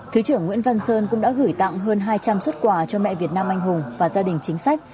thứ trưởng nguyễn văn sơn cũng đã gửi tặng hơn hai trăm linh xuất quà cho mẹ việt nam anh hùng và gia đình chính sách